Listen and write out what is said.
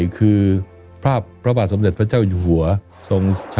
ความประบาดสำเร็จ